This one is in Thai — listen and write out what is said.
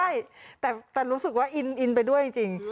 ใช่แต่รู้สึกว่าอินไปด้วยจริง